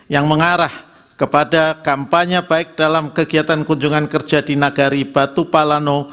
yang mengarah kepada kampanye baik dalam kegiatan kunjungan kerja di nagari batu palano